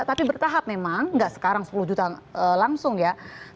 tapi bertahap memang nggak sekarang sepuluh juta langsung ya